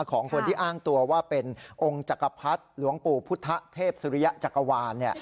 ของคนที่อ้างตัวว่าเป็นองค์จักรพรรดิหลวงปู่พุทธเทพสุริยะจักรวาล